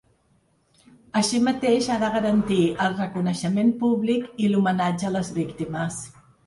Així mateix, ha de garantir el reconeixement públic i l’homenatge a les víctimes.